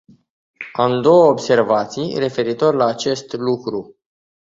Am două observații referitor la acest lucru.